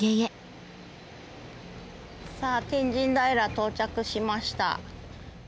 さあ天神平到着しました。